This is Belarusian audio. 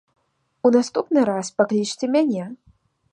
У наступны раз паклічце мяне.